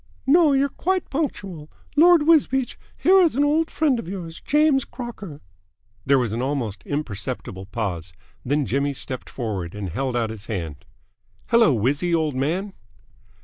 "No. You're quite punctual. Lord Wisbeach, here is an old friend of yours, James Crocker." There was an almost imperceptible pause. Then Jimmy stepped forward and held out his hand. "Hello, Wizzy, old man!"